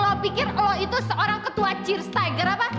lo pikir lo itu seorang ketua cheers tiger apa